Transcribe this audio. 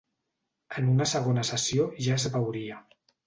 En una segona sessió, ja es veuria.